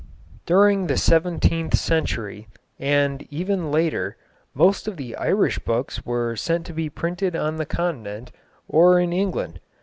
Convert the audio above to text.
During the seventeenth century, and even later, most of the Irish books were sent to be printed on the continent or in England.